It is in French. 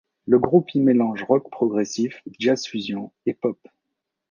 Le groupe y mélange rock progressif, jazz fusion et pop.